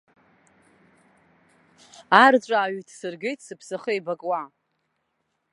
Арҵәаа ҩҭсыргеит, сыԥсахы еибакуа.